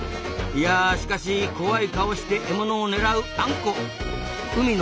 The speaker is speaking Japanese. いやしかし怖い顔して獲物を狙うアンコウ。